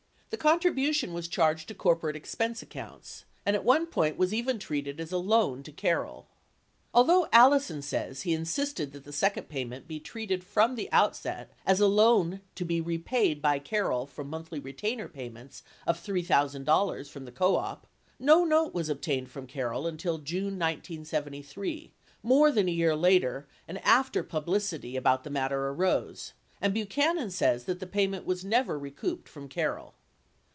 The con tribution was charged to corporate expense accounts, and at one point was even treated as a loan to Carroll. Although Allison says he insisted that the second payment be treated from the outset as a loan to be repaid by Carroll from monthly retainer payments of $3,000 from the co op, no note was obtained from Carroll until June 1973 — more than a year later and after publicity about the matter arose — and Buchanan says that the payment was never recouped from Carroll.